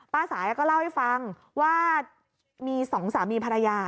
สายก็เล่าให้ฟังว่ามีสองสามีภรรยา